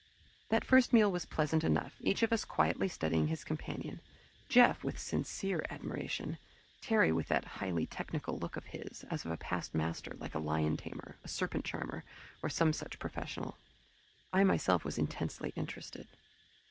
That first meal was pleasant enough, each of us quietly studying his companion, Jeff with sincere admiration, Terry with that highly technical look of his, as of a past master like a lion tamer, a serpent charmer, or some such professional. I myself was intensely interested.